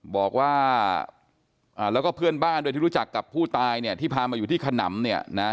บอกว่าแล้วก็เพื่อนบ้านโดยที่รู้จักกับผู้ตายเนี่ยที่พามาอยู่ที่ขนำเนี่ยนะ